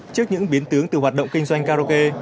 trước những biến tướng từ hoạt động kinh doanh karaoke